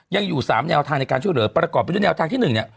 ยังอยู่๓แนวทางในการช่วยเหลือประกอบไปด้วยแนวทางที่๑เนี่ย